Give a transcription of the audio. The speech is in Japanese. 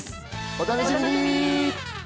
お楽しみに！